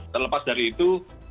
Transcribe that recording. terlepas dari itu